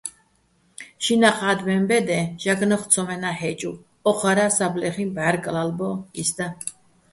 შინაჴ ადმეჼ ბე́დეჼ ჟაგნო́ხ ცომენა́ ჰ̦ე́ჭუგე̆, ო́ჴარა́, საბლეხიჼ ბჵარკ ლალბო́ჲ, ის და.